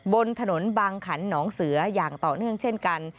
บนถนนบางขันหนองเสืออย่างต่อเนื่องเช่นกัน